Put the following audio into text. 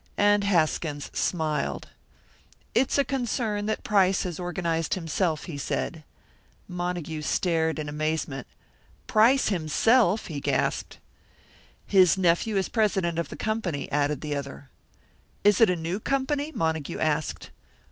And Haskins smiled. "It's a concern that Price has organised himself," he said. Montague stared in amazement. "Price himself!" he gasped. "His nephew is president of the company," added the other. "Is it a new company?" Montague asked.